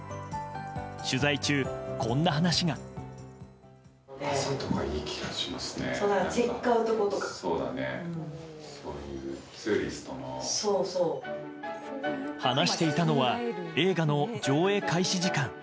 取材中、こんな話が。話していたのは映画の上映開始時間。